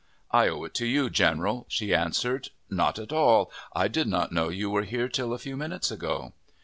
"I owe it to you, general," she answered. "Not at all. I did not know you were here till a few minutes ago."